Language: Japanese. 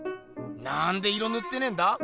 なんで色ぬってねえんだ。